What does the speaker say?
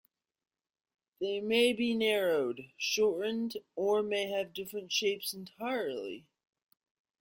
They may be narrowed, shortened, or may have different shapes entirely.